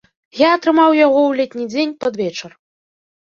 Я атрымаў яго ў летні дзень, пад вечар.